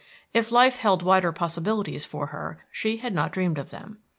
If life held wider possibilities for her, she had not dreamed of them.